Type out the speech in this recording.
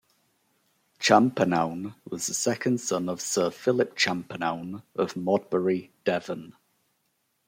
Champernowne was the second son of Sir Philip Champernowne of Modbury, Devon.